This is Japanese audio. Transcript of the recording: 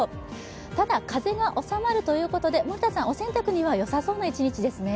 ただ風が収まるということで、お洗濯には良さそうな一日ですね。